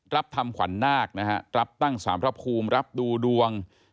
รับตำขวานหน้าครับตั้งสามภาพคลุมรับดูดวง